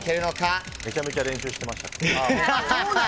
めちゃめちゃ練習してました。